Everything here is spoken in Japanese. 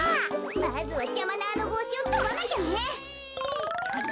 まずはじゃまなあのぼうしをとらなきゃね。